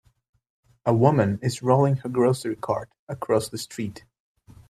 A woman is rolling her grocery cart across the street.